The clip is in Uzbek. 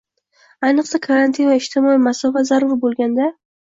Ayniqsa, karantin va ijtimoiy masofa zarur bo'lganda